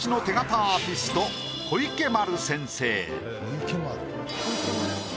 「小池丸」？